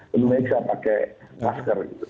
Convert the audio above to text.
penuhnya saya pakai masker